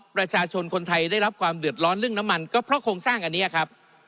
ประชาชนคนไทยได้รับความเดือดร้อนเรื่องน้ำมันก็เพราะโครงสร้างอันนี้ครับ